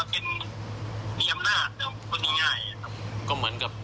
คนที่เขาว่าเป็นมีอำนาจคุณง่าย